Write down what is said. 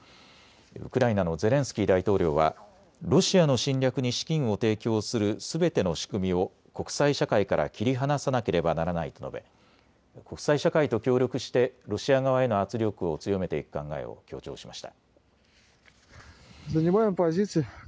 ウクライナのゼレンスキー大統領はロシアの侵略に資金を提供するすべての仕組みを国際社会から切り離さなければならないと述べ国際社会と協力してロシア側への圧力を強めていく考えを強調しました。